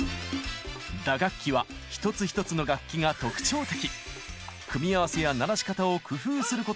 打楽器は一つ一つの楽器が特徴的！